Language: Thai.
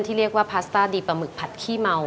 เรียกว่าพาสต้าดีปลาหมึกผัดขี้เมา